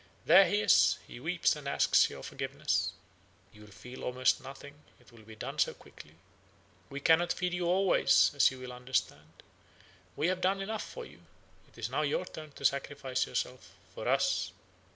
There he is, he weeps and asks your forgiveness; you will feel almost nothing, it will be done so quickly. We cannot feed you always, as you will understand. We have done enough for you; it is now your turn to sacrifice yourself for us.